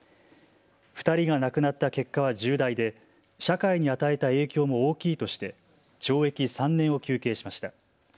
２人が亡くなった結果は重大で社会に与えた影響も大きいとして懲役３年を求刑しました。